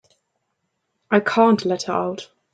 I can't let her out.